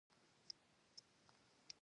• ټول اختراعات له یو بل سره اړیکې لري.